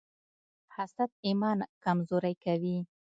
حسد ایمان کمزوری کوي.